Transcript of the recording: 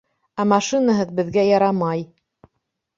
Ә машинаһыҙ беҙгә ярамай.